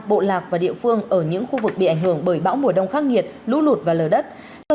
bộ lạc và địa phương ở những khu vực bị ảnh hưởng bởi bão mùa đông khắc nghiệt lũ lụt và lở đất